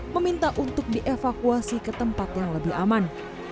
meminta untuk dievakuasi ke tempat yang lebih aman